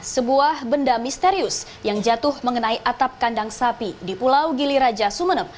sebuah benda misterius yang jatuh mengenai atap kandang sapi di pulau gili raja sumeneb